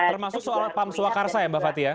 termasuk soal pam swakarsa ya mbak fathia